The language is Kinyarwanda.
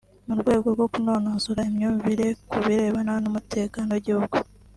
mu rwego rwo kunonosora imyumvire ku birebana n’umutekano w’igihugu